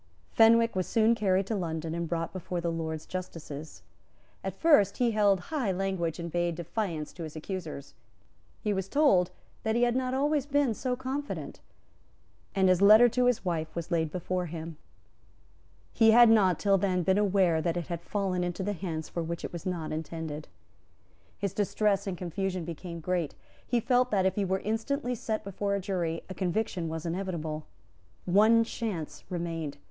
Fenwick was soon carried to London and brought before the Lords Justices. At first he held high language and bade defiance to his accusers. He was told that he had not always been so confident; and his letter to his wife was laid before him. He had not till then been aware that it had fallen into hands for which it was not intended. His distress and confusion became great. He felt that, if he were instantly sent before a jury, a conviction was inevitable. One chance remained.